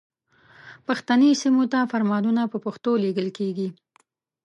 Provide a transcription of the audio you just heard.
پښتني سیمو ته فرمانونه په پښتو لیږل کیږي.